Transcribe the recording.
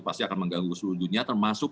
pasti akan mengganggu seluruh dunia termasuk